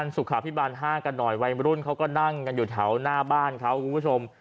สุขภิปาล๕กันหน่อยวัยรุ่นเขาก็นั่งอยู่เท่าน่าบ้านเขาคุณผู้ชม